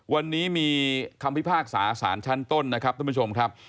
วันนี้มีคำพิพากษาสารชั้นต้นนะครับท่านผู้ชมครับ